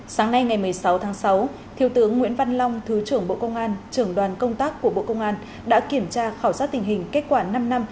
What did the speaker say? sáng nay ngày một mươi sáu tháng sáu thiếu tướng nguyễn văn long thứ trưởng bộ công an trưởng đoàn công tác của bộ công an đã kiểm tra khảo sát tình hình kết quả năm năm